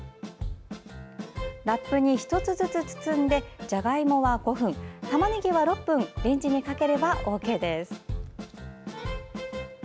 ラップに１つずつ包んでじゃがいもは５分たまねぎは６分レンジにかければ、ＯＫです。